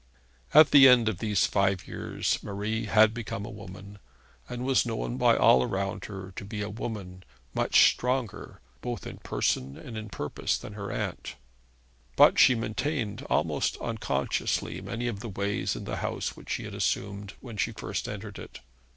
At the end of these five years Marie had become a woman, and was known by all around her to be a woman much stronger, both in person and in purpose, than her aunt; but she maintained, almost unconsciously, many of the ways in the house which she had assumed when she first entered it.